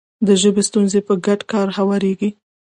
د ژبې ستونزې په ګډ کار هواریږي.